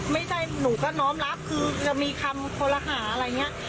ไม่ใช่หนูก็น้อมรับคือจะมีคำคอลหาอะไรอย่างนี้